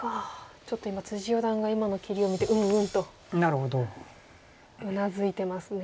ちょっと今四段が今の切りを見てうんうんとうなずいてますね。